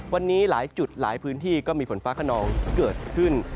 วันนี้หลายจุดหลายพื้นที่ก็มีฝนฟ้าขนองเกิดขึ้น